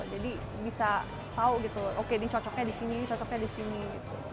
jadi bisa tau gitu oke ini cocoknya disini ini cocoknya disini gitu